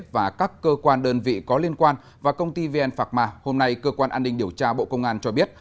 và các cơ quan đơn vị có liên quan và công ty vn phạc ma hôm nay cơ quan an ninh điều tra bộ công an cho biết